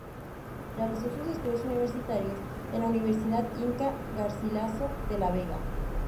Realizó sus estudio universitario en la Universidad Inca Garcilaso de la Vega.